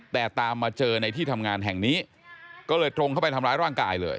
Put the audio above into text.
แต่ตามมาเจอในที่ทำงานแห่งนี้ก็เลยตรงเข้าไปทำร้ายร่างกายเลย